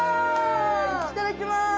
いただきます！